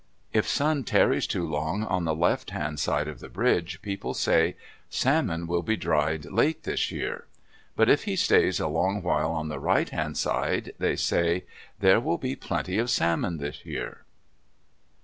If Sun tarries too long on the left hand side of the bridge, people say, "Salmon will be dried late this year." But if he stays a long while on the right hand side, they say, "There will be plenty of salmon this year."